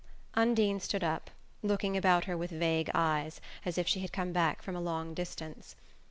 Undine stood up, looking about her with vague eyes, as if she had come back from a long distance.